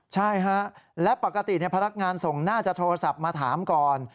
ใช่ฮะและปกติพนักงานส่งน่าจะโทรศัพท์มาถามก่อน